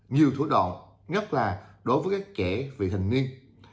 nhiều thủ đoạn nhất là đối với các trẻ vị thành niên